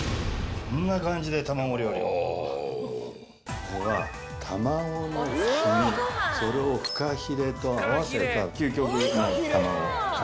これは卵の黄身をフカヒレと合わせた。